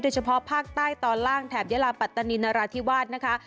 เฉพาะภาคใต้ตอนล่างแถบยาลาปัตตานีนราธิวาสนะคะ